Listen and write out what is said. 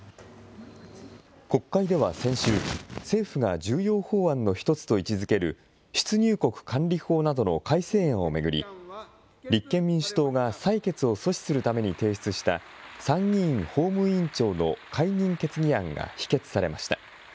国会では先週、政府が重要法案の一つと位置づける、出入国管理法などの改正案を巡り、立憲民主党が採決を阻止するために提出した、参議院法務委員長の解任決議案が否決されました。